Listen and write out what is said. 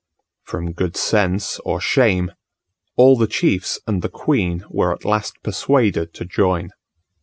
From good sense or shame, all the chiefs and the queen were at last persuaded to join.